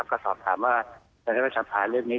ก็ตอบถามว่าโดยงานรัฐธรรมภาพเรื่องนี้